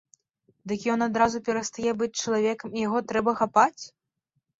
Дык ён адразу перастае быць чалавекам і яго трэба хапаць?